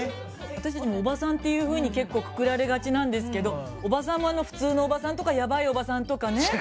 私たちもおばさんっていうふうに結構くくられがちなんですけどおばさんもあの普通のおばさんとかやばいおばさんとかね。